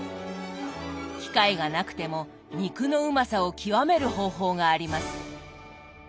機械がなくても肉のうまさを極める方法があります。